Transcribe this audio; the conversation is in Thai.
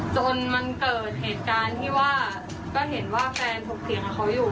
จนก็เห็นว่าแฟนก็เกิดเกิดเหตุการณ์ที่ทุกเขาอยู่